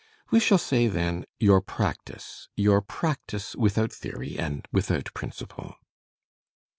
We shall say, then, your practice, your practice without theory and without principle.